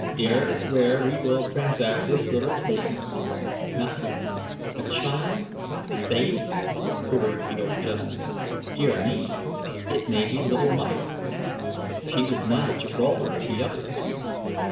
Dere is where we will dransact this little pizness not here." "A child saved," queried the old gentleman; "dear me, it may be little Myra. She was not at Gibraltar with the others.